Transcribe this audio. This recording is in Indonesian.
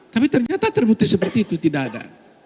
tapi ternyata terbukti seperti itu tidak ada